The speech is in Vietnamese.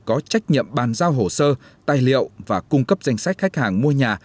có trách nhiệm bàn giao hồ sơ tài liệu và cung cấp danh sách khách hàng mua nhà